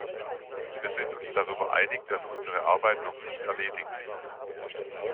Wir sind uns darüber einig, dass unsere Arbeit noch nicht erledigt ist.